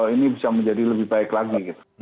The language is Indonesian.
ini bisa menjadi lebih baik lagi